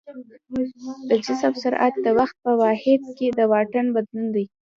د جسم سرعت د وخت په واحد کې د واټن بدلون دی.